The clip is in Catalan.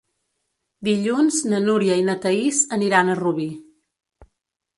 Dilluns na Núria i na Thaís aniran a Rubí.